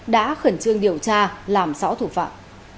đã khẩn trương điều tra làm rõ thủ phạm